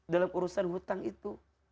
dalam urusan hutang itu